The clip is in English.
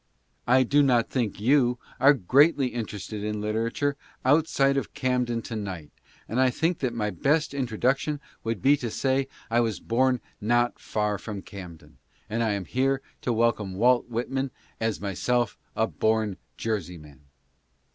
I do not think you are greatly interested in literature outside of Camden to night, and I think that my best introduction would be to say that I was born not far from Camden, and I am here to welcome Walt Whitman as myself a born Jerseyman.